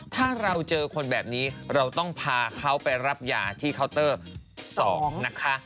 ถ้าเราเจอคนแบบนี้เราต้องพาเขาไปรับยาที่เคาน์เตอร์๒นะคะ